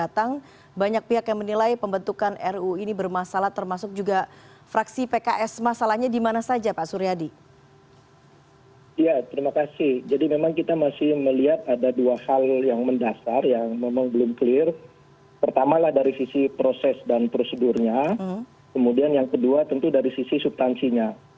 yang kedua tentu dari sisi subtansinya